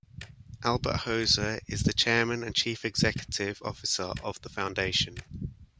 Albert Hoser is the chairman and chief executive officer of the foundation.